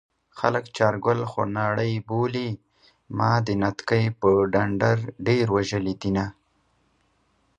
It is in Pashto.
خلک چارګل خونړی بولي ما د نتکۍ په ډنډر ډېر وژلي دينه